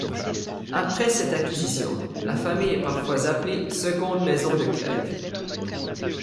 Après cette acquisition, la famille est parfois appelée seconde maison de Clèves.